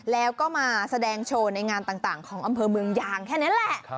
แล้วก็มาแสดงโชว์ในงานต่างของอำเภอเมืองยางแค่นั้นแหละ